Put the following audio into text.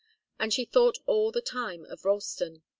And she thought all the time of Ralston.